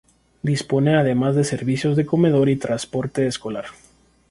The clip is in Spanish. Dispone además de servicios de comedor y transporte escolar.